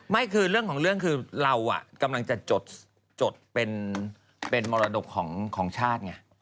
ไม่คือเรื่องของเรื่องคือเรากำลังจะจดเป็นมรดกของชาติไง